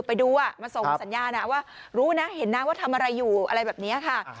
ไปดูมาส่งสัญญาณว่ารู้นะเห็นนะว่าทำอะไรอยู่อะไรแบบนี้ค่ะ